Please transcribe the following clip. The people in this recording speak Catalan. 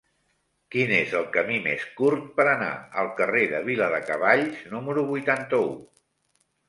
Quin és el camí més curt per anar al carrer de Viladecavalls número vuitanta-u?